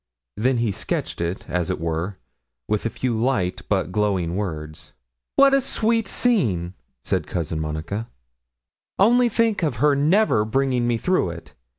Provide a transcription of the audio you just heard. Then he sketched it, as it were, with a few light but glowing words. 'What a sweet scene!' said Cousin Monica: 'only think of her never bringing me through it.